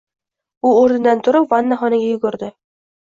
U o‘rnidan turib vannaxonaga yugurdi